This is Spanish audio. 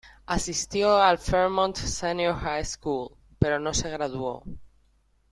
Asistió al Fairmont Senior High School, pero no se graduó.